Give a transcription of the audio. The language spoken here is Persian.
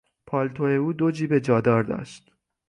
پالتو او دو جیب جادار داشت.